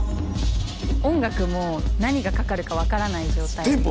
音楽も何がかかるか分からない状態です。